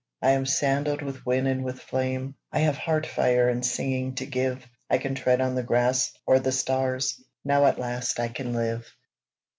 I am sandaled with wind and with flame, I have heart fire and singing to give, I can tread on the grass or the stars, Now at last I can live!